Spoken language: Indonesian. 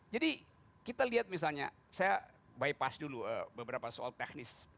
jadi kita lihat misalnya saya bypass dulu beberapa soal teknis